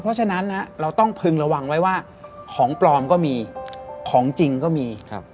เพราะฉะนั้นเราต้องพึงระวังไว้ว่าของปลอมก็มีของจริงก็มี